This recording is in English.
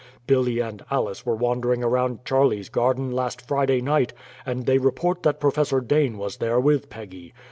Billy and Alice were wandering around Charley's garden last Friday night, and they report that Professor Dane was there with Peggy.